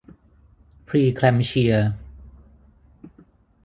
พรีแคลมป์เชีย